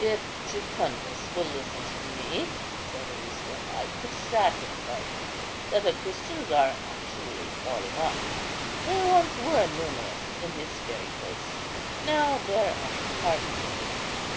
"If Jucundus will listen to me," said Aristo, "I could satisfy him that the Christians are actually falling off. They once were numerous in this very place; now there are hardly any.